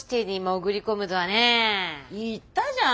言ったじゃん！